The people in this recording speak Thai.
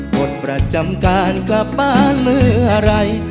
หมดประจำการกลับบ้านเมื่อไหร่